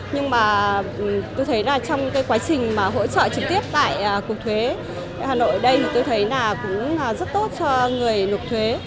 nhưng mà tôi thấy trong quá trình hỗ trợ trực tiếp tại cục thuế tp hà nội đây tôi thấy cũng rất tốt cho người nộp thuế